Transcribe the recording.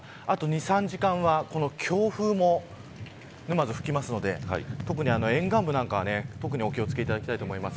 あと２時間、３時間は強風も沼津、吹きますので特に沿岸部はお気を付けいただきたいと思います。